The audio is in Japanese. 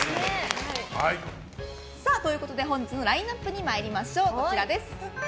本日のラインアップに参りましょう。